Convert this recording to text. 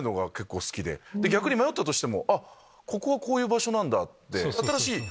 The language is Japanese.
逆に迷ったとしてもここはこういう場所なんだ！って。